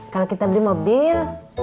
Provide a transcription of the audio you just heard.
kalau kita beli mobil